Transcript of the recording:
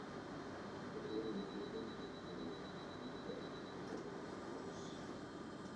The aim in treatment is to detect the underlying cause.